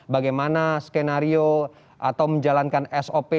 bagaimana skenario atau menjalankan sop